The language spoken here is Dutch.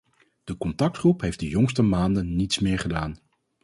De contactgroep heeft de jongste maanden niets meer gedaan.